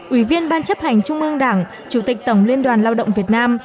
ủy viên ban chấp hành trung ương đảng chủ tịch tổng liên đoàn lao động việt nam